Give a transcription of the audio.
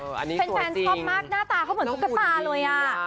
เป็นแฟนชอบมากหน้าตาเขาเหมือนสุกตาเลยอะ